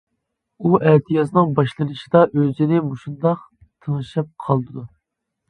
ئۇ ئەتىيازنىڭ باشلىنىشىدا ئۆزىنى مۇشۇنداق تىڭشاپ قالىدۇ.